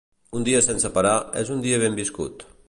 Un dia sense parar, és un dia ben viscut.